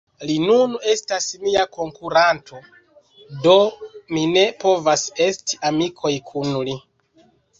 Li nun estas mia konkuranto... do mi ne povas esti amikoj kun li